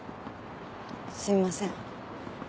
すいません。